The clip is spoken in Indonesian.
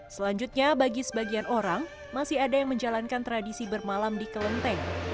selanjutnya bagi sebagian orang masih ada yang menjalankan tradisi bermalam di kelenteng